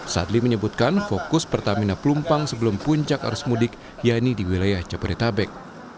sadli menyebutkan fokus pertamina pelumpang sebelum puncak arus mudik yaitu di wilayah jabodetabek